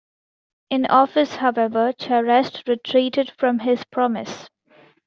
In office however, Charest retreated from his promise.